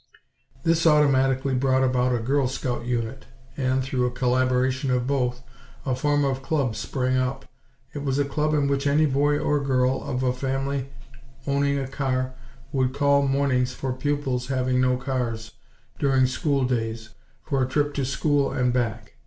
This automatically brought about a Girl Scout unit; and, through a collaboration of both, a form of club sprang up. It was a club in which any boy or girl of a family owning a car would call mornings for pupils having no cars, during school days, for a trip to school and back.